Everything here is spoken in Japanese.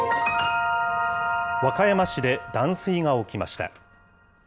和歌山市で断水が起きました。